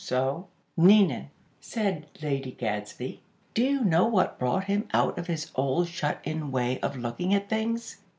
So " "Nina," said Lady Gadsby; "do you know what brought him out of his old shut in way of looking at things?"